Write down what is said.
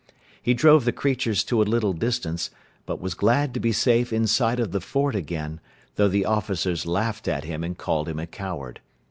He drove the creatures to a little distance, but was glad to be safe inside of the fort again, though the officers laughed at him and called him a coward.